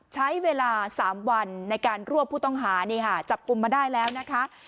ใช้เวลา๓วันในการรวบผู้ต้องหานี่ค่ะจับกลุ่มมาได้แล้วนะคะ